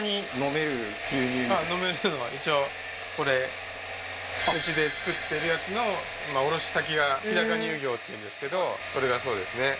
ああーうちで作ってるやつのまあ卸先が日高乳業っていうんですけどこれがそうですね